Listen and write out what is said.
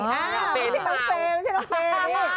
ไม่ใช่น้องเตนี่